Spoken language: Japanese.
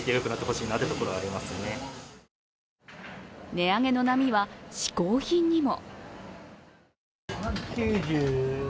値上げの波は嗜好品にも。